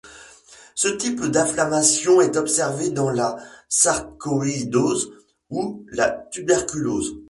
Ce type d'inflammation est observée dans la sarcoïdose ou la tuberculose.